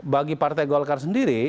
bagi partai golkar sendiri